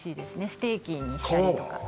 ステーキにしたりとか皮は？